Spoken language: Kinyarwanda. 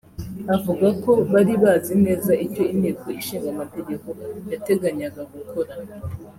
Avuga ko bari bazi neza icyo inteko ishinga amategeko yateganyaga gukora